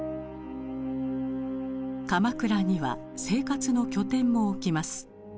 鎌倉には生活の拠点も置きます。